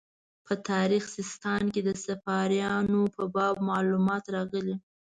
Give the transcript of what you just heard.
په تاریخ سیستان کې د صفاریانو په باب معلومات راغلي.